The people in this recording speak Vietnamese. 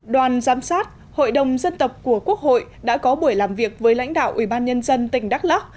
đoàn giám sát hội đồng dân tộc của quốc hội đã có buổi làm việc với lãnh đạo ubnd tỉnh đắk lắc